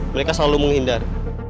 mereka selalu menghindar